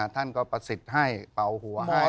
ท่านก็ประสิทธิ์ให้เป่าหัวให้